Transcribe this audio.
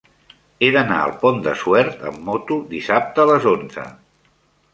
He d'anar al Pont de Suert amb moto dissabte a les onze.